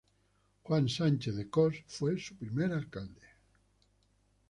Juan Sánchez de Cos fue su primer alcalde.